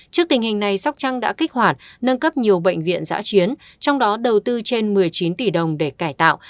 trước tình hình này sóc trăng đã kích hoạt nâng cấp nhiều bệnh viện giã chiến trong đó đầu tư trên một mươi chín tỷ đồng để cải tạo